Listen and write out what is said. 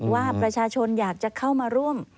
ว่าประชาชนอยากจะเข้ามาร่วม